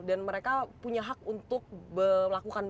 dan mereka punya hak untuk melakukan